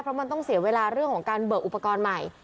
เพราะมันต้องเสียเวลาเรื่องของการเบิกอุปกรณ์ใหม่